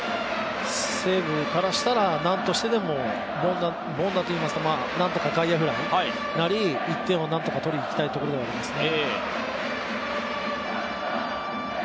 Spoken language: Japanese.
逆に西武からしたら、なんとしても、凡打といいますか、何とか外野フライなり、何とか１点を取りにいきたいところでありますね。